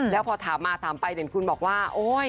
แล้วตามไปเด่นคุณบอกว่า